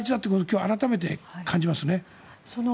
今、改めて感じますね。